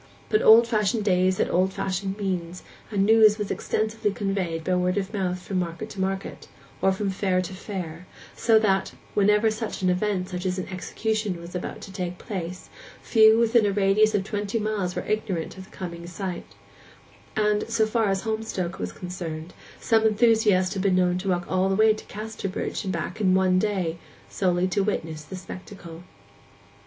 But old fashioned days had old fashioned means, and news was extensively conveyed by word of mouth from market to market, or from fair to fair, so that, whenever such an event as an execution was about to take place, few within a radius of twenty miles were ignorant of the coming sight; and, so far as Holmstoke was concerned, some enthusiasts had been known to walk all the way to Casterbridge and back in one day, solely to witness the spectacle.